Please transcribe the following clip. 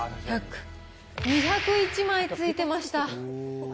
２０１枚ついてました。